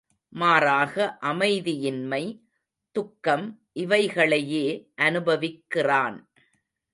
மாறாக அமைதியின்மை, துக்கம் இவைகளையே அனுபவிக்கிறான்.